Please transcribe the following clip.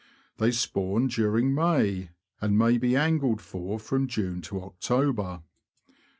They spawn during May, and may be angled for from June to October.